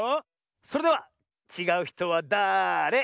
それでは「ちがうひとはだれ？」